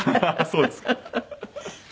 そうですか。